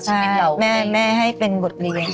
ใช่แม่ให้เป็นบทเรียน